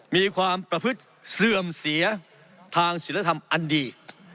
มีความประพฤติเสื่อมเสียทางศิลธรรมอันดี